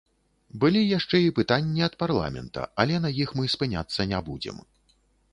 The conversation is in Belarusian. Былі яшчэ і пытанні ад парламента, але на іх мы спыняцца не будзем.